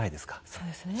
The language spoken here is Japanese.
そうですね。